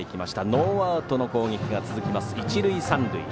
ノーアウトの攻撃が続きます。